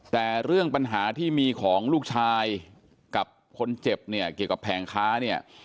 แต่เรื่องปัญหาที่มีของลูกชายกับคนเจ็บเนี่ยเกี่ยวกับแผงค้าเนี่ย